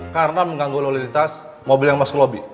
karena mengganggu lo di tas mobil yang masuk lobby